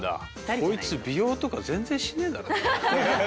こいつ美容とか全然しねえだろ。